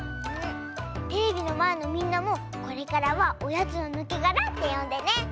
テレビのまえのみんなもこれからは「おやつのぬけがら」ってよんでね。